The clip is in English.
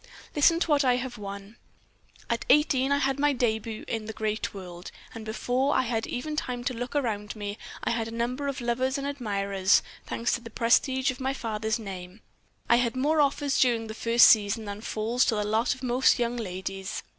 Listen to what I have won. At eighteen I made my debut in the great world, and before I had even time to look round me, I had a number of lovers and admirers, thanks to the prestige of my father's name. I had more offers during the first season than falls to the lot of most young ladies.